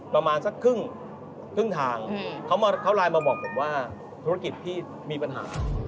ประมาณสักครึ่งทางเขาไลน์มาบอกผมว่าธุรกิจพี่มีปัญหา